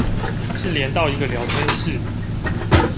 是連到一個聊天室